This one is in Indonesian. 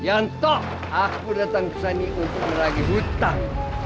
aku datang kesini untuk meneragi hutang